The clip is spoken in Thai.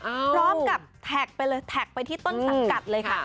พร้อมกับแท็กไปเลยแท็กไปที่ต้นสังกัดเลยค่ะ